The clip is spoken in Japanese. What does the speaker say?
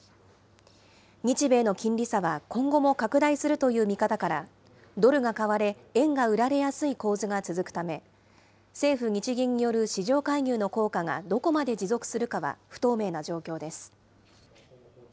日米の金利差は今後も拡大するという見方から、ドルが買われ、円が売られやすい構図が続くため、政府・日銀による市場介入の効果がどこまで持続するかは、不透明な状況です。